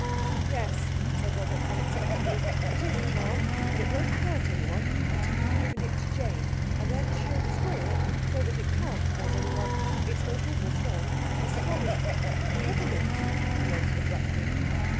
"Yes," said Robert, unexpectedly, "it is a charm, but it won't hurt anyone until you've given it to Jane. And then she'll destroy it, so that it can't hurt anyone. It's most awful strong!—as strong as—Peppermint!" he ended abruptly.